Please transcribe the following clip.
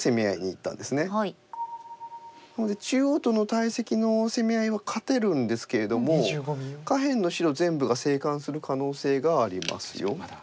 なので中央との大石の攻め合いは勝てるんですけれども下辺の白全部が生還する可能性がありますよ。